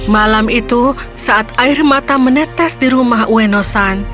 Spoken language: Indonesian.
malam itu saat air mata menetes di rumah ueno san